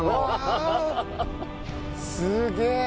すげえ！